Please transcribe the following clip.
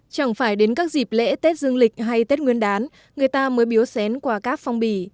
chẳng phải đến các dịp lễ tết dương lịch hay tết nguyên đán người ta mới biếu xén qua các phong bì